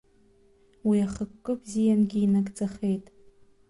Уи ахықәкы бзиангьы инагӡахеит.